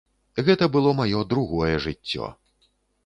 Гэта было маё другое жыццё.